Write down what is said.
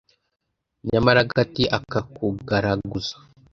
Nyamara agati akakugaraguza